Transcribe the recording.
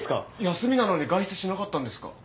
休みなのに外出しなかったんですか？